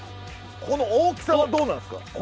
この大きさはどうなんですか？